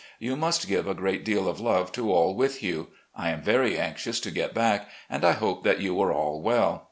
You must give a great deal of love to all with you. I am very anxious to get back, and I hope that you are all well.